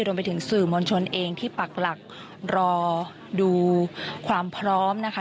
รวมไปถึงสื่อมวลชนเองที่ปักหลักรอดูความพร้อมนะคะ